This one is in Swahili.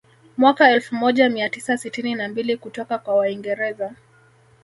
Mwaka elfu moja mia tisa sitini na mbili kutoka kwa waingereza